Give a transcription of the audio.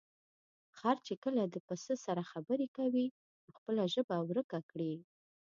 خر چې کله د پسه سره خبرې کوي، نو خپله ژبه ورکه کړي.